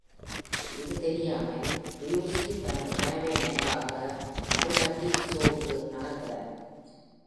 இது தெரியாமல், ரியூஷி தனது கனவை நனவாக்க நருடகி-souக்கு நகர்கிறார்.